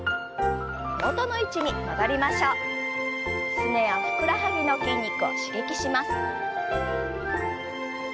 すねやふくらはぎの筋肉を刺激します。